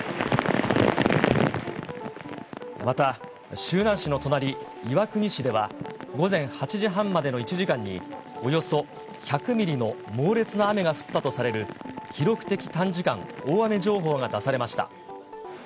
また、周南市の隣、岩国市では午前８時半までの１時間に、およそ１００ミリの猛烈な雨が降ったとされる記録的短時間大雨情報が出されました。